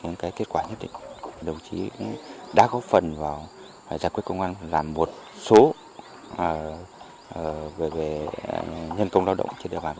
một người một tháng